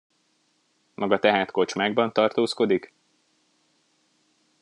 Maga tehát kocsmákban tartózkodik?